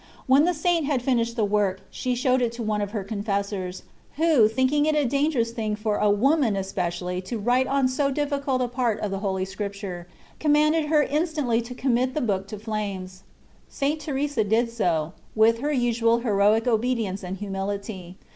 When the Saint had finished the work, she showed it to one of her confessors,* who, thinking it a dangerous thing for a woman especially to write on so difficult a part of the Holy Scripture, commanded her instantly to commit the book to the flames. St. Teresa did so, with her usual heroic obedience and humility.